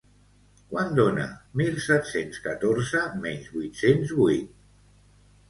Quant dona mil set-cents catorze menys vuit-cents vuit?